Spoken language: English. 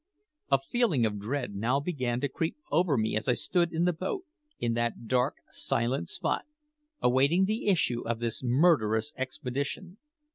A feeling of dread now began to creep over me as I stood in the boat, in that dark, silent spot, awaiting the issue of this murderous expedition.